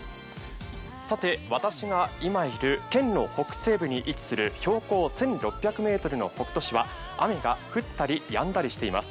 さて、私が今いる県の北西部に位置する標高１６００ｍの北杜市は雨が降ったりやんだりしています。